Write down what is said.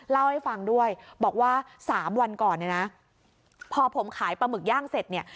เล่าให้ฟังด้วยบอกว่าสามวันก่อนเนี่ยนะพอผมขายปลาหมึกย่างเสร็จเนี่ย